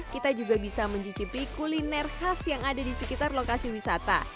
kita juga bisa mencicipi kuliner khas yang ada di sekitar lokasi wisata